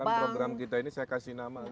program program kita ini saya kasih nama